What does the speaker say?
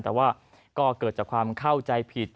แต่ว่าก็เกิดจากความเข้าใจผิด